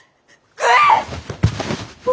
食え！